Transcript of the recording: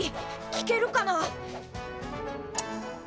聞けるかな？